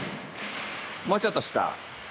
もうちょっと下。